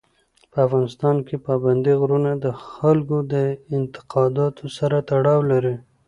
په افغانستان کې پابندی غرونه د خلکو د اعتقاداتو سره تړاو لري.